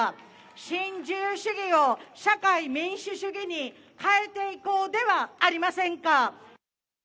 新自由主義を社会民主主義に、変えていこうではありませんか。